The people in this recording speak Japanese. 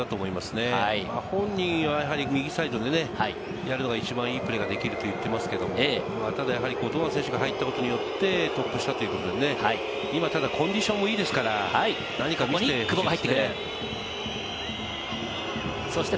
本人は右サイドでやるのが一番いいプレーができると言ってますけれども、堂安選手が入ったことによって、トップ下ということで、今、ただコンディションもいいですから、久保が入ってきました。